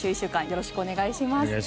よろしくお願いします。